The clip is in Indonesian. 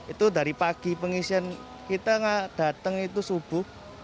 itu dari pagi pengisian kita datang itu subuh